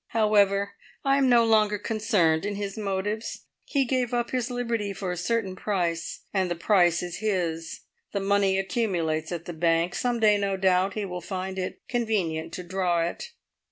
However, I am no longer concerned in his motives. He gave up his liberty for a certain price, and the price is his. The money accumulates at the bank. Some day, no doubt, he will find it convenient to draw it."